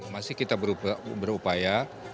masih kita berupaya